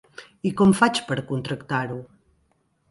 I com faig per contractar-ho?